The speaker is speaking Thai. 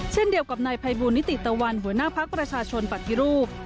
เช่นเดียวกับนายภัยบูลนิติตะวันหัวหน้าภักดิ์ประชาชนปฏิรูป